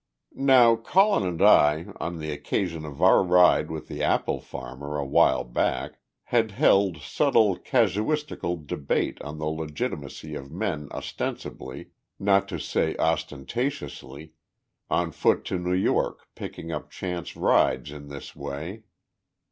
Now Colin and I, on the occasion of our ride with the apple farmer, awhile back, had held subtle casuistical debate on the legitimacy of men ostensibly, not to say ostentatiously, on foot to New York picking up chance rides in this way.